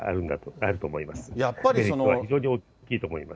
影響は非常に大きいと思います。